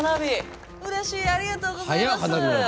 うれしいありがとうございます！